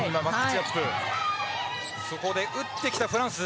そこへ打ってきたフランス。